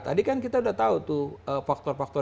tadi kan kita udah tahu tuh faktor faktor